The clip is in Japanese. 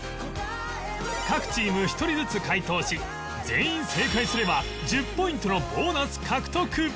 各チーム１人ずつ解答し全員正解すれば１０ポイントのボーナス獲得！